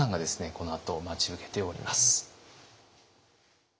このあと待ち受けております。